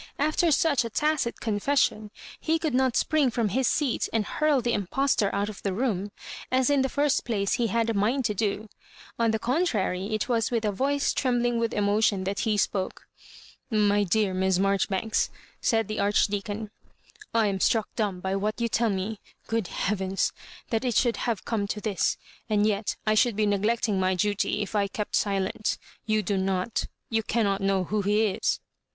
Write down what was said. After such a tacit confession he could not spring from his seat and burl the impostor out of the room, as in the first place he had a mind to da On the contrary, it was with a voice trembling with emotion that he spoke. "My dear Miss Marjoribanks," said the Arch deacon, " I am struck dumb by what you tell me. Good heavens 1 that it should have come to this ; and yet I should be neglecting my duty if I kept silent. You do not — ^you cannot know who he is."